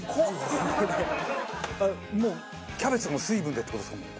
もうキャベツの水分でって事ですか？